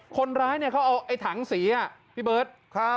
คนร้ายเนี่ยเขาเอาไอ้ถังสีอ่ะพี่เบิร์ตครับ